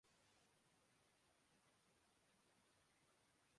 آدمی اس کی ذمہ داری اٹھاتا ہے کہ وہ پیدا ہی نہیں کرے گا